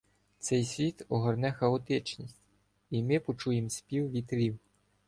Цей світ огорне хаотичність, І ми почуєм спів вітрів.